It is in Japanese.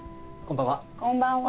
こんばんは。